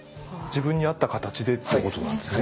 自分に合った形でってことなんですね。